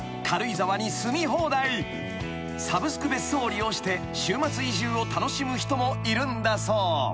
［サブスク別荘を利用して週末移住を楽しむ人もいるんだそう］